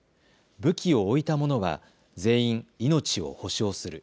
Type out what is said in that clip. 武器を置いた者は全員命を保証する。